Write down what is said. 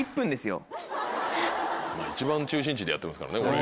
一番中心地でやってますからねこれ。